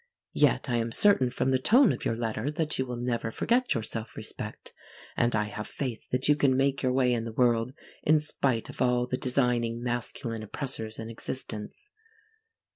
Yet I am certain from the tone of your letter that you will never forget your self respect, and I have faith that you can make your way in the world in spite of all the designing masculine oppressors in existence.